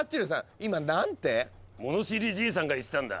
今何て⁉物知りじいさんが言ってたんだ。